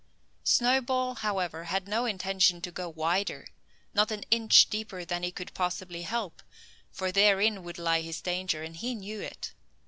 Snowball, however, had no intention to go wider, not an inch deeper than he could possibly help: for therein would lie his danger, and he knew it.